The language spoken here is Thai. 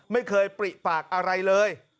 ไม่เคยปริปากอะไรเลย